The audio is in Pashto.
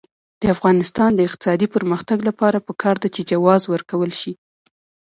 د افغانستان د اقتصادي پرمختګ لپاره پکار ده چې جواز ورکول شي.